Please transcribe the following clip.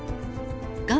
画面